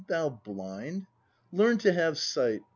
Thou blind ! Learn to have sight!